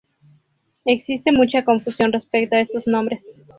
Existe mucha confusión respecto a estos nombres.